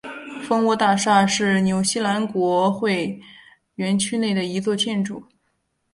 蜂窝大厦是纽西兰国会园区内的一座建筑。